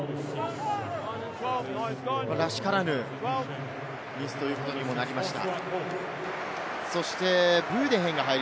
らしからぬミスということにもなりました。